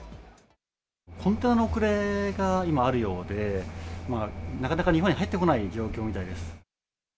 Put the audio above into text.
コンテナの遅れが今あるようで、なかなか日本に入ってこない状況みたいです。